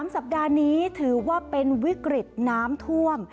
สัปดาห์นี้ถือว่าเป็นวิกฤตน้ำท่วม